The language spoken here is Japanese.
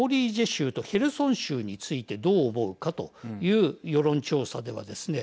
州とヘルソン州についてどう思うかという世論調査ではですね